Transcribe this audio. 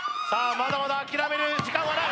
まだまだ諦める時間はない